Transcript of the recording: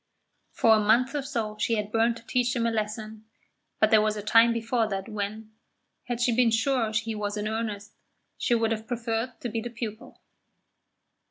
For a month or more she had burned to teach him a lesson, but there was a time before that when, had she been sure he was in earnest, she would have preferred to be the pupil.